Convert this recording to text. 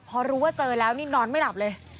พอรู้ว่าเจอแล้วนี่นอนไม่หลับเลย